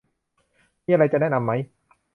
มีอะไรจะแนะนำไหม